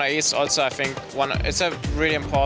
dan juga untuk perubahan klinik yang benar